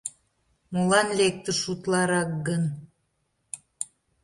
Молан лектыш утларак гын?